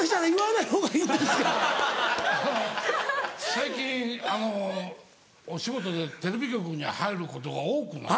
最近お仕事でテレビ局に入ることが多くなって。